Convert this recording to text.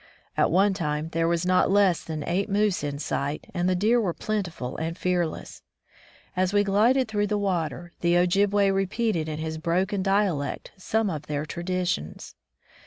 At one time there were not less than eight moose in sight, and the deer were plentiful and fearless. As we glided through the water, the Ojibway repeated in his broken dialect some of their traditions.